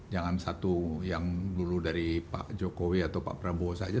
jangan satu yang dulu dari pak jokowi atau pak prabowo saja